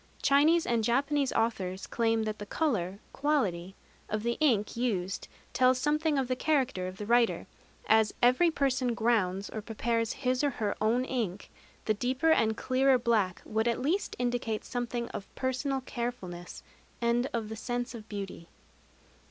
Chinese and Japanese authors claim that the color (quality) of the ink used tells something of the character of the writer. As every person grounds or prepares his or her own ink, the deeper and clearer black would at least indicate something of personal carefulness and of the sense of beauty.